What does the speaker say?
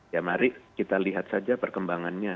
ya mari kita lihat saja perkembangannya